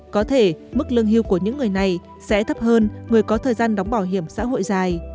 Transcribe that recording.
có thể mức lương hưu của những người này sẽ thấp hơn người có thời gian đóng bảo hiểm xã hội dài